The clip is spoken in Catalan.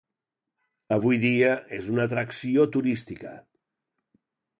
Avui dia és una atracció turística.